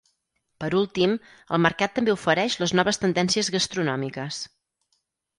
Per últim, el mercat també ofereix les noves tendències gastronòmiques.